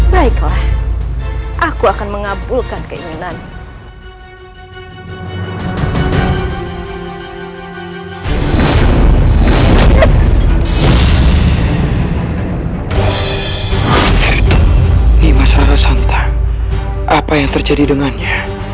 sampai jumpa di video selanjutnya